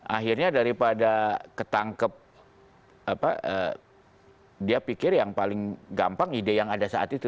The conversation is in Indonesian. akhirnya daripada ketangkep dia pikir yang paling gampang ide yang ada saat itu